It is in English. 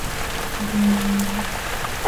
He is counted among the inventors of statistics.